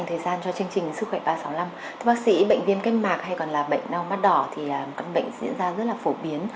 thưa bác sĩ bệnh viêm kết mạc hay còn là bệnh nâu mắt đỏ thì là một căn bệnh diễn ra rất là phổ biến